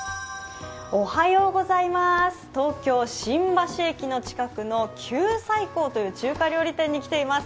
東京・新橋駅の近くの九寨溝という中華料理店に来ています